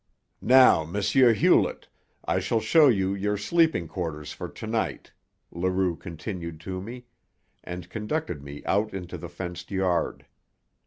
"Now, M. Hewlett, I shall show you your sleeping quarters for to night," Leroux continued to me, and conducted me out into the fenced yard.